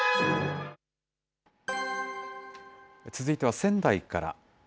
続いては仙台から。